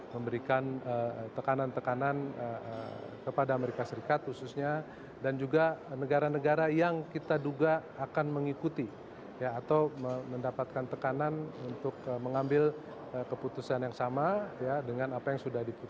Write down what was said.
memberikan tekanan tekanan kepada amerika serikat khususnya dan juga negara negara yang kita duga akan mengikuti